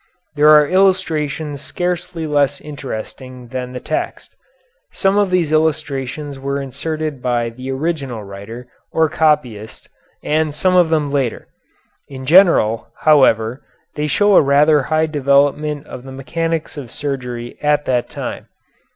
There are illustrations scarcely less interesting than the text. Some of these illustrations were inserted by the original writer or copyist, and some of them later. In general, however, they show a rather high development of the mechanics of surgery at that time.